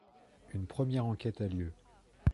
Une première enquête a lieu.